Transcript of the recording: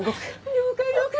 了解了解！